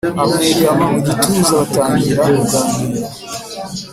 amwegama mugituza batangira kuganira